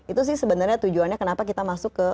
itu sih sebenarnya tujuannya kenapa kita masuk ke